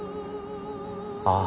ああ